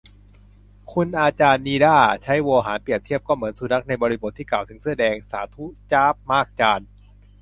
คุณอาจารย์นิด้า ใช้โวหารเปรียบเทียบ "ก็เหมือนสุนัข" ในบริบทที่กล่าวถึงเสื้อแดง สาธุ จ๊าบมากจารย์